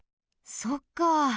そっか。